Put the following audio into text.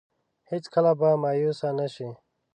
هېڅ کله به مايوسه نه شي.